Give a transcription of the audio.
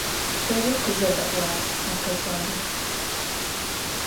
Terı, - khızeda'uağ mekhe zaule.